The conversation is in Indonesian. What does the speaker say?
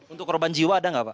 untuk korban jiwa ada nggak pak